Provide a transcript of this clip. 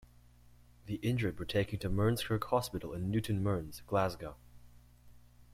The injured were taken to Mearnskirk Hospital in Newton Mearns, Glasgow.